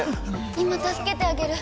今たすけてあげる。